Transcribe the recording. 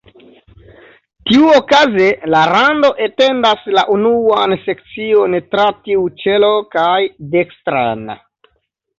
Tiuokaze, la rando etendas la unuan sekcion tra tiu ĉelo kaj dekstren.